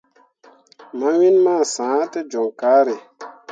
Ma win ma sah te jon carré.